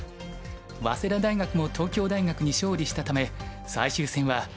早稲田大学も東京大学に勝利したため最終戦は全勝対決。